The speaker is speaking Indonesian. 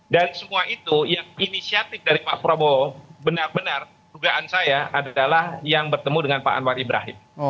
dan semua itu yang inisiatif dari pak prabowo benar benar rugaan saya adalah yang bertemu dengan pak anwar ibrahim